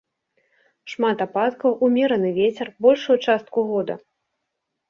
Шмат ападкаў, умераны вецер большую частку года.